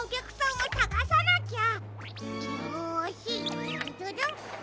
さがさなきゃ！